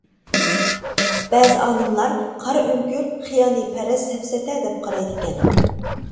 بەزى ئالىملار قارا ئۆڭكۈر خىيالى پەرەز، سەپسەتە دەپ قارايدىكەن.